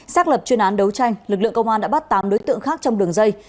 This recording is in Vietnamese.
xác lập chuyên án đấu tranh lực lượng công an đã bắt tám đối tượng khác trong đường dây